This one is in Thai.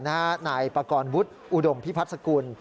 นายปากรวุฒิอุดมพิพัฒกุล